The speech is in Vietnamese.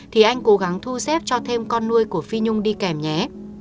thì anh cố gắng thu xếp cho thêm con nuôi của phi nhung đi kèm nhé